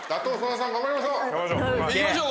頑張りましょう！